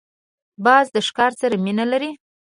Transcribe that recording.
باز د ښکار سره مینه لري